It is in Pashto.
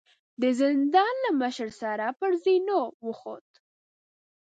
د زندان له مشر سره پر زينو وخوت.